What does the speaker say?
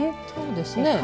そうですね。